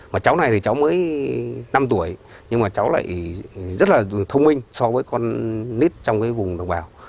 mà cháu này thì cháu mới năm tuổi nhưng mà cháu lại rất là thông minh so với con mít trong cái vùng đồng bào